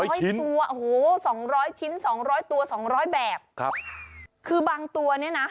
๒๐๐ชิ้นโอ้โฮ๒๐๐ชิ้น๒๐๐ตัว๒๐๐แบบคือบางตัวนี้นะ